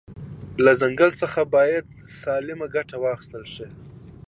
له ځنګل ځخه باید سالمه ګټه واخیستل شي